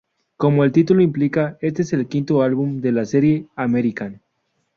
Como el título implica este es el quinto álbum de la serie American.